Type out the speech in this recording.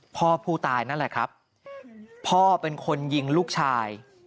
พ่อผู้ตายนั่นแหละครับพ่อเป็นคนยิงลูกชาย